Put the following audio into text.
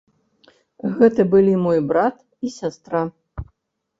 Гэта былі мой брат і сястра.